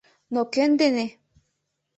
— Но кӧн дене?..»